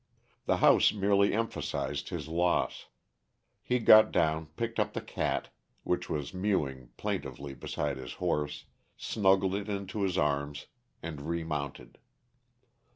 The house merely emphasized his loss. He got down, picked up the cat, which was mewing plaintively beside his horse, snuggled it into his arm, and remounted.